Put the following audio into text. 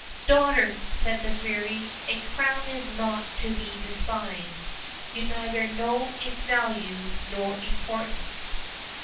"Daughter," said the fairy, "a crown is not to be despised; you neither know its value nor importance."